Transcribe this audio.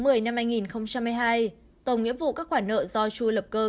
đến ngày một mươi bảy tháng một mươi năm hai nghìn một mươi hai tổng nghĩa vụ các khoản nợ do chu lập cơ